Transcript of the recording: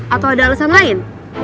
atau ada alesan lain